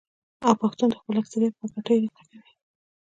او پښتون د خپل اکثريت بګتۍ ږغوي.